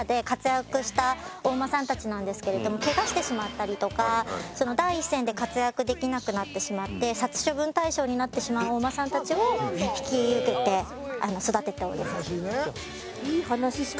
ケガしてしまったりとか第一線で活躍できなくなってしまって殺処分対象になってしまうお馬さんたちを引き受けて育てております。